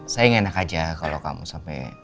saya enak aja kalau kamu sampai